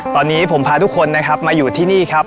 ตอนนี้ผมพาทุกคนนะครับมาอยู่ที่นี่ครับ